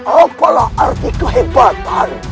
apalah arti kehebatan